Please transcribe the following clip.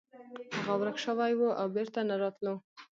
هغه ورک شوی و او بیرته نه راتلو.